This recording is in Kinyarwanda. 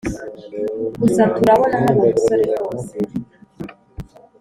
gusa turabona hari umusore rwose